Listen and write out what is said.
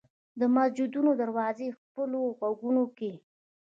د مسجدونو دروازو خپلو غوږونو کې